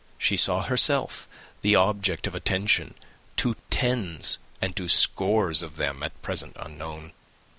She saw herself the object of attention to tens and to scores of them at present unknown.